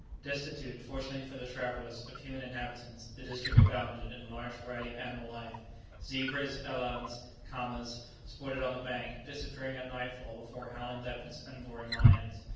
Destitute, fortunately for the travellers, of human inhabitants, the district abounded in a large variety of animal life; zebras, elands, caamas, sported on the bank, disappearing at night fall before howling leopards and roaring lions.